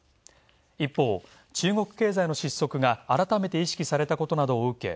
一方、中国経済の失速が改めて意識されたことなどを受け